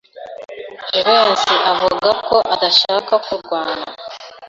Jivency avuga ko adashaka kurwana.